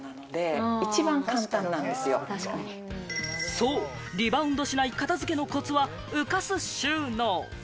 そう、リバウンドしない片付けのコツは浮かす収納。